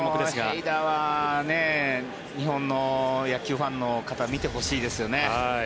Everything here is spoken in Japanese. ヘイダーは日本の野球ファンの方に見てほしいですよね。